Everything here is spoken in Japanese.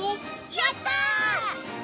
やった！